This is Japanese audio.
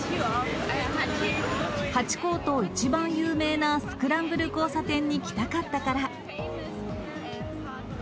ハチ公と一番有名なスクランブル交差点に来たかったから。